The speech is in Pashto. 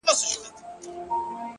د کورنیو تولیداتو د ودې لامل شوی